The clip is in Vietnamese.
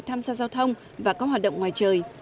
tham gia giao thông và có hoạt động ngoài trời